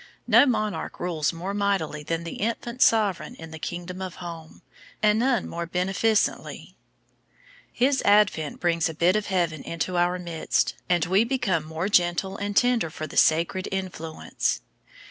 No monarch rules more mightily than the infant sovereign in the Kingdom of Home, and none more beneficently. His advent brings a bit of heaven into our midst, and we become more gentle and tender for the sacred influence.